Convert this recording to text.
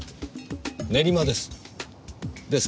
練馬です。